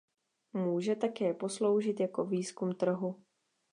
Může také posloužit jako výzkum trhu.